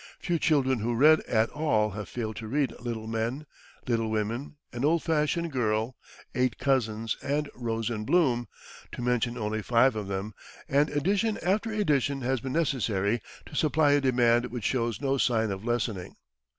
Few children who read at all have failed to read "Little Men," "Little Women," "An Old Fashioned Girl," "Eight Cousins," and "Rose in Bloom," to mention only five of them, and edition after edition has been necessary to supply a demand which shows no sign of lessening.